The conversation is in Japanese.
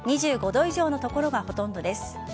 ２５度以上の所がほとんどです。